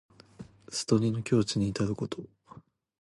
悟りの境地にいたること。